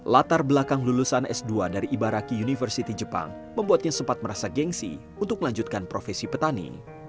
latar belakang lulusan s dua dari ibaraki university jepang membuatnya sempat merasa gengsi untuk melanjutkan profesi petani